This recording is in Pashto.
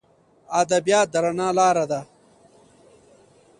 ادبیات د رڼا لار ده.